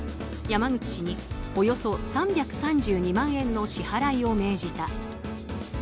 山口氏におよそ３３２万円の支払いを命じた。